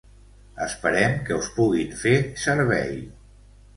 Esperem que us puguin fer servei.